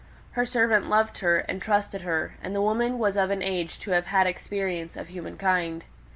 Her servant loved her and trusted her; and the woman was of an age to have had experience of humankind.